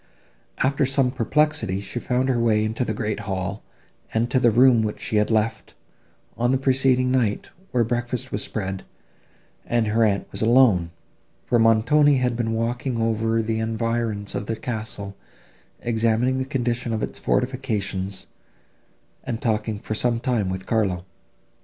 After some perplexity she found her way into the great hall, and to the room, which she had left, on the preceding night, where breakfast was spread, and her aunt was alone, for Montoni had been walking over the environs of the castle, examining the condition of its fortifications, and talking for some time with Carlo.